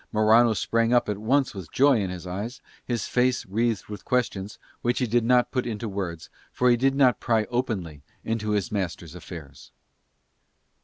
Morano sprang up at once with joy in his eyes, his face wreathed with questions, which he did not put into words for he did not pry openly into his master's affairs.